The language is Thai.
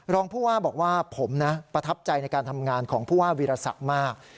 รองผู้ว่าบอกว่าผมนะประทับใจในการทำงานของผู้ว่าวีรศักดิ์มาก